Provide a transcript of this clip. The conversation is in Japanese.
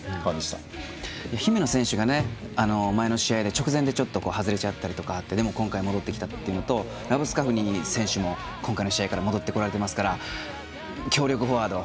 姫野選手が前の試合で直前で、ちょっと外れちゃったりとかあって今回、戻ってきたっていうのとラブスカフニ選手も今回の試合から戻ってこられてますから強力フォワード